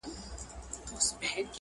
کله چي کوچنیان وو